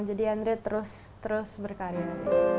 jadi andrea terus terus berkarya